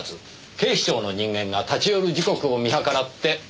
警視庁の人間が立ち寄る時刻を見計らって行った。